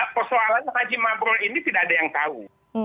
persoalannya haji mabrur ini tidak ada yang tahu